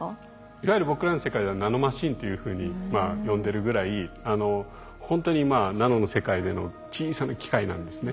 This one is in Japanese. いわゆる僕らの世界ではナノマシンというふうに呼んでるぐらいほんとにナノの世界での小さな機械なんですね。